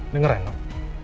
dengar ya nob